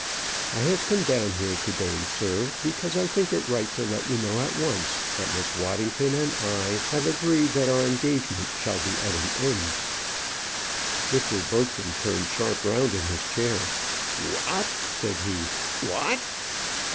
"I have come down here, to day, sir, because I think it right to let you know at once that Miss Waddington and I have agreed that our engagement shall be at an end." Mr. Bertram turned sharp round in his chair. "What?" said he. "What?"